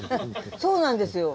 そうなんですよ。